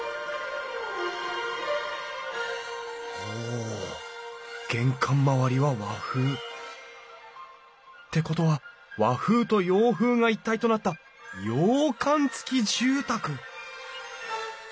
お玄関周りは和風。ってことは和風と洋風が一体となった洋館付き住宅！